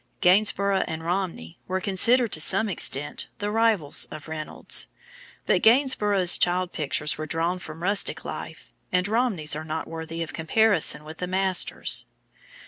Gainsborough and Romney were considered to some extent the rivals of Reynolds, but Gainsborough's child pictures were drawn from rustic life, and Romney's are not worthy of comparison with the master's.